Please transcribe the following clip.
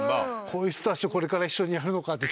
こういう人たちとこれから一緒にやるのかって。